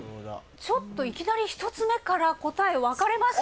ちょっといきなり１つ目から答え分かれましたね。